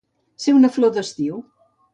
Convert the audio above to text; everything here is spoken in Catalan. Ser una flor d'estiu.